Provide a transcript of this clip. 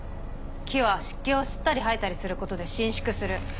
木は湿気を吸ったり吐いたりすることで伸縮する。